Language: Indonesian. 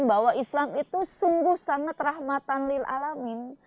bahwa islam itu sungguh sangat rahmatan lil'alamin